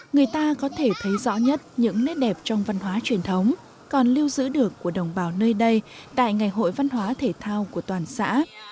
người ta có thể thấy rõ nhất những nét đẹp trong văn hóa truyền thống còn lưu giữ được của đồng bào nơi đây tại ngày hội văn hóa thể thao của toàn xã